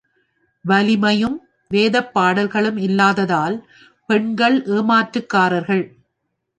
வலிமையும் வேதப் பாடல்களும் இல்லாததால் பெண்கள் ஏமாற்றுக்காரர்கள்.